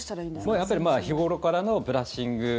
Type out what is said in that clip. もうやっぱり日頃からのブラッシング。